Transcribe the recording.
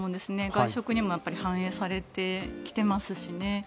外食にも反映されてきてますし。